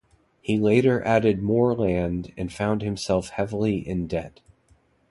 He later added more land and found himself heavily in debt.